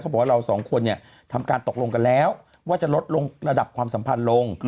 บอกว่าเราสองคนเนี่ยทำการตกลงกันแล้วว่าจะลดลงระดับความสัมพันธ์ลง